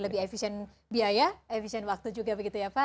lebih efisien biaya efisien waktu juga begitu ya pak